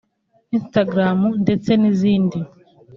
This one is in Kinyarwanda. Instagram ndetse n’izindi